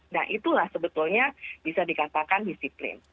nah itulah sebetulnya bisa dikatakan disiplin